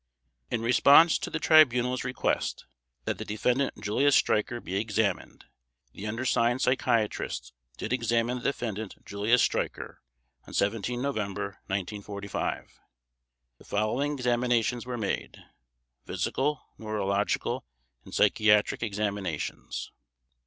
In response to the Tribunal's request that the Defendant Julius Streicher be examined, the undersigned psychiatrists did examine the Defendant Julius Streicher, on 17 November 1945. The following examinations were made: Physical, neurological and psychiatric examinations.